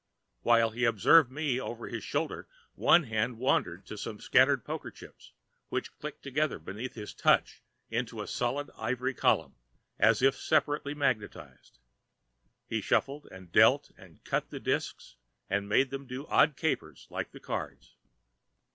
While he observed me over his shoulder one hand wandered to some scattered poker chips which clicked together beneath his touch into a solid ivory column as if separately magnetized. He shuffled and dealt and cut the disks and made them do odd capers like the cards.